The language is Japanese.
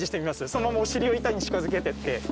そのままお尻を板に近づけてって。